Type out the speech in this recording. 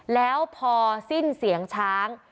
แล้วพอสิ้นเสียงช้าง